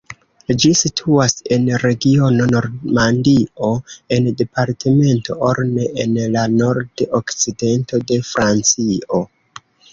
Ĝi situas en regiono Normandio en departemento Orne en la nord-okcidento de Francio.